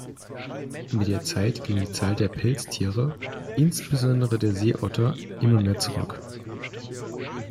Mit der Zeit ging die Zahl der Pelztiere, insbesondere der Seeotter, immer mehr zurück.